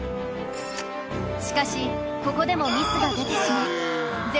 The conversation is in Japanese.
しかしここでもミスが出てしまい全